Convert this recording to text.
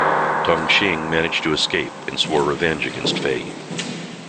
Tung Shing managed to escape and swore revenge against Fei.